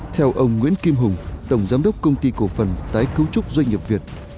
theo ông nguyễn kim hùng tổng giám đốc công ty cổ phần tái cấu trúc doanh nghiệp việt